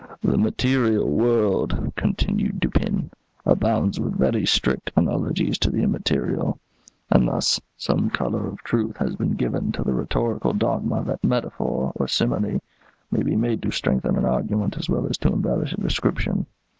"The material world," continued Dupin, "abounds with very strict analogies to the immaterial; and thus some colour of truth has been given to the rhetorical dogma that metaphor, or simile, may be made to strengthen an argument as well as to embellish a description.